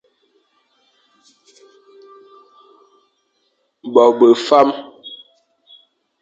Bo be fam.